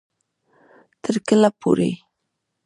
تر کله پورې